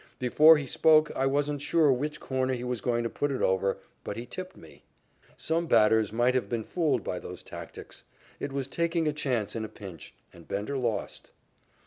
Before he spoke, I wasn't sure which corner he was going to put it over, but he tipped me." Some batters might have been fooled by those tactics. It was taking a chance in a pinch, and Bender lost.